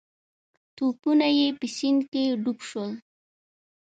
توپونه یې په سیند کې ډوب شول.